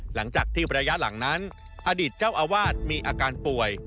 หลังจากที่ระยะหลังนั้นอดีตเจ้าอาวาสมีอาการป่วย